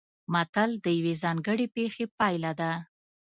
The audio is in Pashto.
متل د یوې ځانګړې پېښې پایله ده